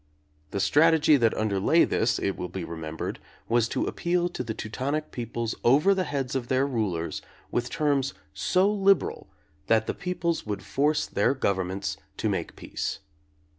The strategy that underlay this, it will be remembered, was to appeal to the Teutonic peoples over the heads of their rulers with terms so liberal that the peoples would force their gov ernments to make peace.